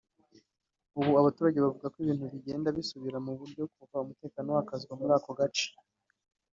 Abaturage bavuga ko ubu ibintu bigenda bisubira mu buryo kuva umutekano wakazwa muri ako gace